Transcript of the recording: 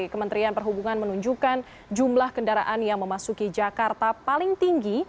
kementerian perhubungan menunjukkan jumlah kendaraan yang memasuki jakarta paling tinggi